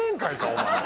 お前。